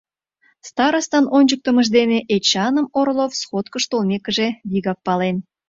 Старостын ончыктымыж дене Эчаным Орлов, сходкыш толмекыже, вигак пален.